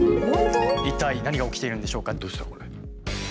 一体何が起きているんでしょうか？